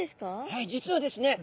はい実はですね